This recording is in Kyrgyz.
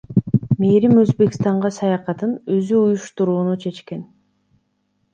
Мээрим Өзбекстанга саякатын өзү уюштурууну чечкен.